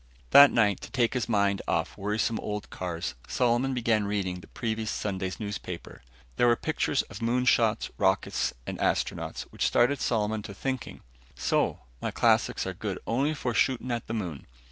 That night, to take his mind off worrisome old cars, Solomon began reading the previous Sunday's newspaper. There were pictures of moon shots, rockets and astronauts, which started Solomon to thinking; "So, my classics are good only for shooting at the moon.